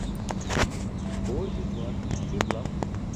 Oolji juwan lim lam.